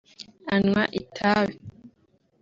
anywa itabi